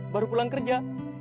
baru pulang kerja